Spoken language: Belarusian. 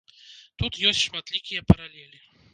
Тут ёсць шматлікія паралелі.